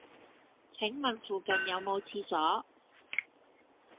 請問附近有無廁所